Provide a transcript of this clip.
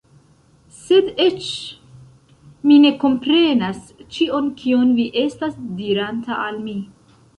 Sed eĉ... Mi ne komprenas ĉion kion vi estas diranta al mi